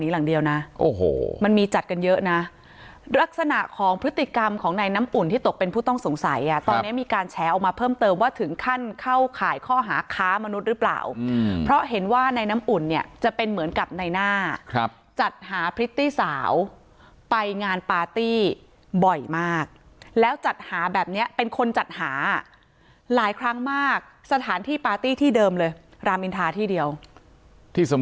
ลักษณะของพฤติกรรมของในน้ำอุ่นที่ตกเป็นผู้ต้องสงสัยอ่ะตอนนี้มีการแชร์ออกมาเพิ่มเติมว่าถึงขั้นเข้าข่ายข้อหาค้ามนุษย์หรือเปล่าเพราะเห็นว่าในน้ำอุ่นเนี่ยจะเป็นเหมือนกับในน่าจัดหาพฤติสาวไปงานปาร์ตี้บ่อยมากแล้วจัดหาแบบนี้เป็นคนจัดหาหลายครั้งมากสถานที่ปาร์ตี้ที่เดิมเลยรามิน